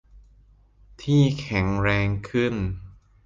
ที่แข็งแรงขึ้น